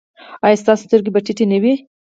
ایا ستاسو سترګې به ټیټې نه وي؟